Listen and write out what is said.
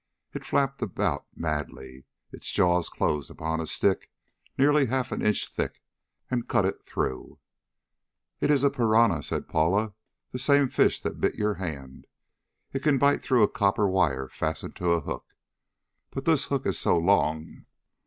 It flapped about madly. Its jaws closed upon a stick nearly half an inch thick, and cut it through. "It is a piranha," said Paula. "The same fish that bit your hand. It can bite through a copper wire fastened to a hook, but this hook is so long...."